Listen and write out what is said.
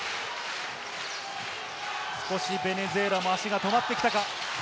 少しベネズエラも足が止まってきたか？